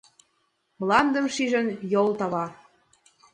Мландым шижын, йол тава.